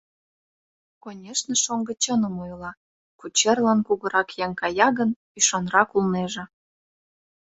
Конешне, шоҥго чыным ойла: кучерлан кугурак еҥ кая гын, ӱшанрак улнеже.